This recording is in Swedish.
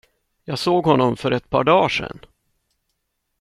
Jag såg honom för ett par dagar sen.